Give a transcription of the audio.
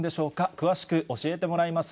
詳しく教えてもらいます。